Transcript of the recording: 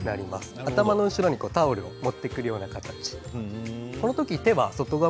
頭の後ろにタオルを持ってくる感じです。